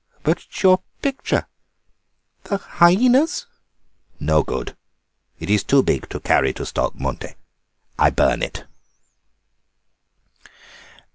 "But your picture, the hyænas?" "No good. It is too big to carry to Stolpmünde. I burn it."